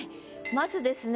まずですね